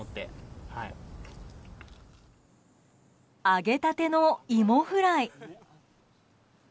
揚げ立てのイモフライ。